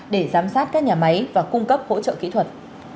để giám sát các nhà máy và cung cấp hỗ trợ kỹ thuật